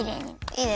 いいね。